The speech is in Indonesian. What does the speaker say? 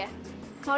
mau ke rumah aku